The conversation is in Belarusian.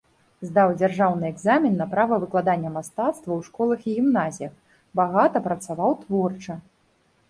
Здаў дзяржаўны экзамен на права выкладання мастацтва ў школах і гімназіях, багата працаваў творча.